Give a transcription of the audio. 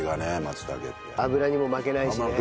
油にも負けないしね。